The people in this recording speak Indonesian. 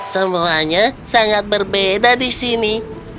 semuanya sangat berbeda di sini